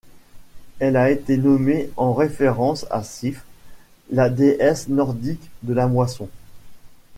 Elle a été nommée en référence à Sif, la déesse nordique de la moisson.